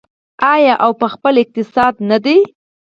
آیا او په خپل اقتصاد نه ده؟